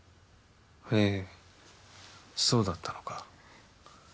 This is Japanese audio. へぇそうだったのか。